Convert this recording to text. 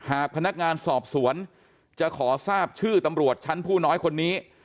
หากพนักงานสอบสวนจะขอทราบชื่อตำรวจชั้นผู้น้อยคนนี้